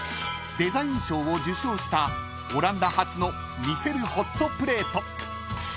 ［デザイン賞を受賞したオランダ発の魅せるホットプレート］